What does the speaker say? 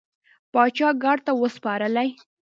پاچا ګارد ته وسپارلې.